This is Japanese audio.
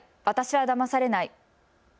私はだまされない。